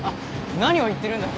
何を言ってるんだ！